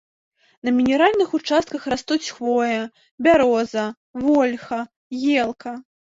На мінеральных участках растуць хвоя, бяроза, вольха, елка.